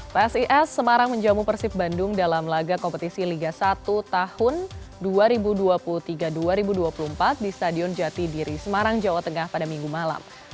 psis semarang menjamu persib bandung dalam laga kompetisi liga satu tahun dua ribu dua puluh tiga dua ribu dua puluh empat di stadion jatidiri semarang jawa tengah pada minggu malam